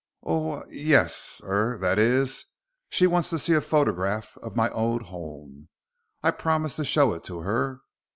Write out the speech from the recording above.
"Oh, yes er er that is she wants to see a photograph of my old home. I promised to show it to her."